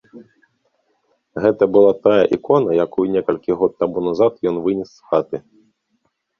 Гэта была тая ікона, якую некалькі год таму назад ён вынес з хаты.